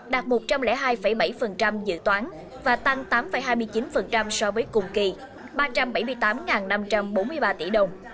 đạt một trăm linh hai bảy dự toán và tăng tám hai mươi chín so với cùng kỳ ba trăm bảy mươi tám năm trăm bốn mươi ba tỷ đồng